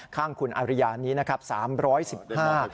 ข้างคุณอาริยานี้สามร้อยสิบห้า